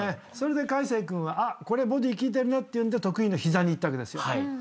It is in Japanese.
それで魁成君はあっこれボディ効いてるなっていうんで得意のヒザにいったわけですよ。